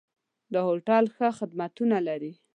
دا هوټل ښه خدمتونه لري.